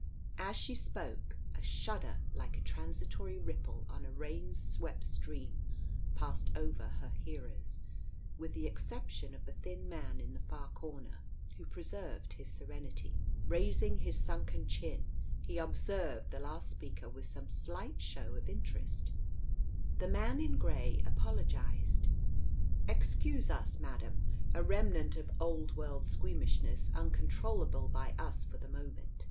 As she spoke, a shudder like a transitory ripple on a rain swept stream passed over her hearers, with the exception of the thin man in the far corner, who preserved his serenity. Raising his sunken chin, he observed the last speaker with some slight show of interest. Digitized by Google 138 TALES OF THE UNEASY The man in grey apologized. "Excuse us, Madam. A remnant of old world squeamishness, uncontrollable by us for the moment.